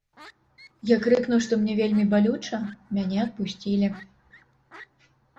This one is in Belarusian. Я крыкнуў, што мне вельмі балюча, мяне адпусцілі.